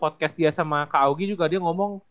podcast dia sama kak aogie juga dia ngomong